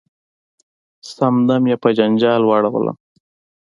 سم دم یې په جنجال واړولم .